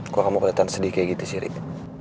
kok kamu keliatan sedih kayak gitu sirik